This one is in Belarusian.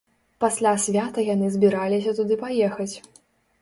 Пасля свята яны збіраліся туды паехаць.